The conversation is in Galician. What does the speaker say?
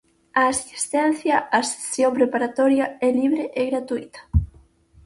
A asistencia á sesión preparatoria é libre e gratuíta.